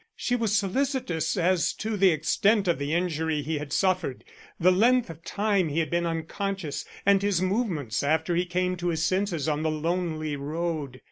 She was solicitous as to the extent of the injury he had suffered, the length of time he had been unconscious, and his movements after he came to his senses on the lonely road.